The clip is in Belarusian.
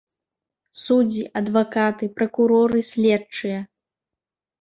Суддзі, адвакаты, пракуроры, следчыя.